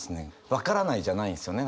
「わからない」じゃないんですよね。